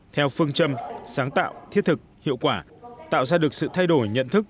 theo phương châm sáng tạo thiết thực hiệu quả tạo ra được sự thay đổi nhận thức